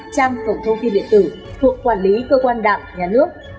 trang tổng thông tin điện tử thuộc quản lý cơ quan đạm nhà nước